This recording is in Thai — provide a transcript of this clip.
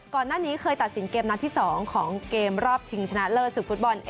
ก่อนหน้านี้เคยตัดสินเกมนัดที่๒ของเกมรอบชิงชนะเลิศศึกฟุตบอล